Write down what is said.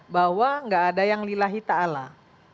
bahwa gak ada yang lila ita allah